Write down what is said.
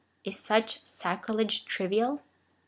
Is such sacrilege trivial